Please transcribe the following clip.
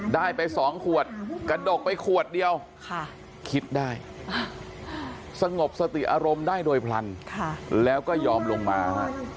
ได้ไป๒ขวดกระดกไปขวดเดียวคิดได้สงบสติอารมณ์ได้โดยพลันแล้วก็ยอมลงมาฮะ